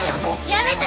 やめて！